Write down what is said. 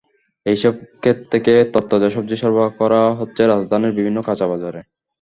এসব খেত থেকে তরতাজা সবজি সরবরাহ করা হচ্ছে রাজধানীর বিভিন্ন কাঁচাবাজারে।